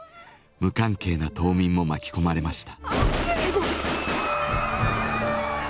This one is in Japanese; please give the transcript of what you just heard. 無関係な島民も巻き込まれました。